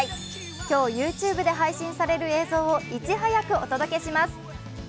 今日、ＹｏｕＴｕｂｅで配信される映像をいち早くお届けします。